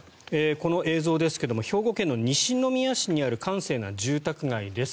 この映像ですが兵庫県の西宮市にある閑静な住宅街です。